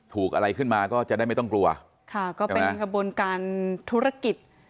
อะไรขึ้นมาก็จะได้ไม่ต้องกลัวค่ะก็เป็นกระบวนการธุรกิจ